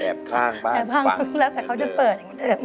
แอบข้างบ้างฟังเหมือนเดิมแล้วแต่เขาจะเปิดเหมือนเดิม